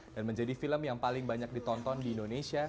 menjadi film yang paling banyak ditonton di indonesia